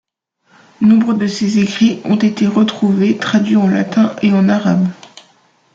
Nombre de ses écrits ont été retrouvés, traduits en latin et en arabe.